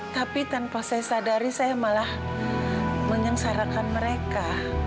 tapi tanpa saya sadari saya malah menyengsarakan mereka